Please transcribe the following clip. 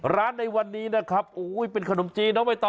ร้านในวันนี้นะครับโอ้โหเป็นขนมจีนนะไว้ต่อ